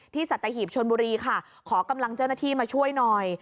สัตหีบชนบุรีค่ะขอกำลังเจ้าหน้าที่มาช่วยหน่อย